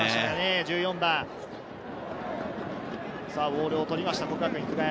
１４番、ボールを取りました、國學院久我山。